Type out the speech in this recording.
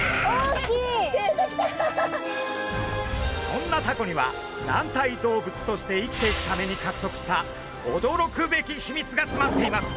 そんなタコには軟体動物として生きていくためにかくとくした驚くべき秘密がつまっています。